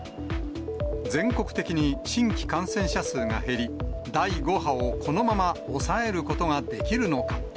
全国的に新規感染者数が減り、第５波をこのまま抑えることができるのか。